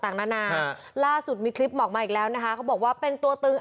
ต่างนานาล่าสุดมีคลิปออกมาอีกแล้วนะคะเขาบอกว่าเป็นตัวตึง